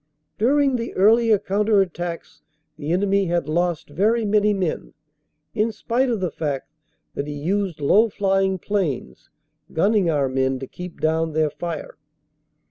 "During the earlier counter attacks the enemy had lost very many men, in spite of the fact that he used low flying planes, gunning our men to keep down their fire.